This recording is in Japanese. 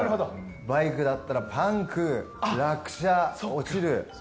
バイクだったらパンク、落車、落ちる。